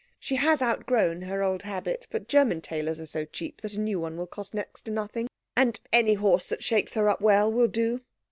She has outgrown her old habit, but German tailors are so cheap that a new one will cost next to nothing, and any horse that shakes her up well will do.